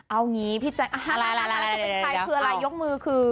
เอางี้พี่แจ๊ะอะไรยกมือคือ